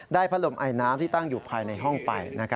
พัดลมไอน้ำที่ตั้งอยู่ภายในห้องไป